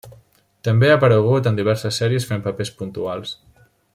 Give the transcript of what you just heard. També ha aparegut en diverses sèries fent papers puntuals.